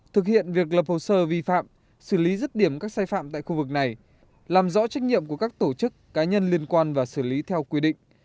thực hiện việc lập hồ sơ vi phạm xử lý rứt điểm các sai phạm tại khu vực này làm rõ trách nhiệm của các tổ chức cá nhân liên quan và xử lý theo quy định